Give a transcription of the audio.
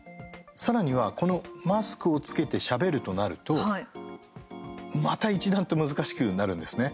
さらには、このマスクを着けてしゃべるとなるとまた一段と難しくなるんですね。